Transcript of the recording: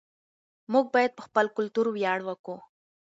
موږ باید په خپل کلتور ویاړ وکړو.